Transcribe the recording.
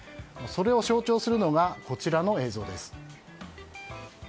それを象徴するのがこちらの映像です。